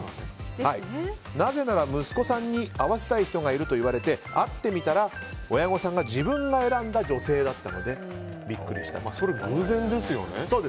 なぜなら、息子さんに会わせたい人がいるといわれて会ってみたら、親御さんが自分が選んだ女性だったのでビックリしたという。